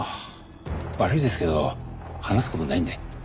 悪いですけど話す事ないんで。